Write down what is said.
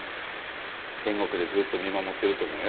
天国でずっと見守ってると思うよ。